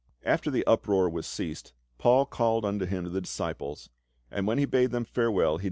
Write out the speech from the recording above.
"t After the uproar was ceased, Paul called unto him the disciples, and when he had bade them farewell he * Romans xvi.